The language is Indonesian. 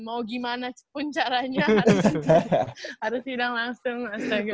mau gimana pun caranya harus sidang langsung